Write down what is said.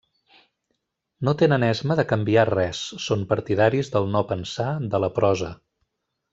No tenen esma de canviar res, són partidaris del no pensar, de la prosa.